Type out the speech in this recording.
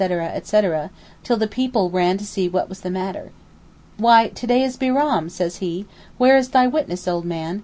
etc., till the people ran to see what was the matter. 'Why, to day is Bairam,' says he. 'Where is thy witness, O man?